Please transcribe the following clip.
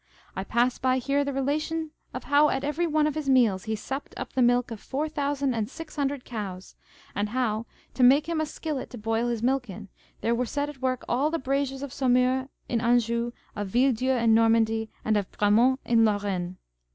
I pass by here the relation of how at every one of his meals he supped up the milk of four thousand and six hundred cows, and how, to make him a skillet to boil his milk in, there were set a work all the braziers of Somure in Anjou, of Villedieu in Normandy, and of Bramont in Lorraine.